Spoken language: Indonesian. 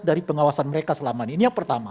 dari pengawasan mereka selama ini